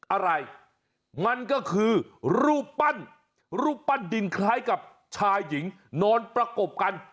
อะไรมันก็คือรูปปั้นรูปปั้นดินคล้ายกับชายหญิงนอนประกบกัน